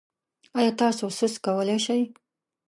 ایا تاسو سست کولی شئ؟